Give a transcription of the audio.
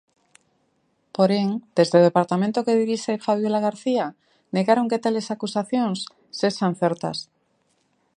Porén, desde o departamento que dirixe Fabiola García negaron que tales acusacións sexan certas.